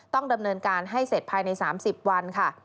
ต้องดำเนินการให้เสร็จภายใน๓๐วันค่ะ